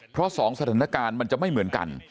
เพราะ๒สถานการณ์มันจะไม่เหมือนกัน